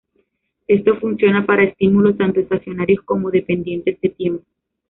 Esto funciona para estímulos tanto estacionarios como dependientes de tiempo.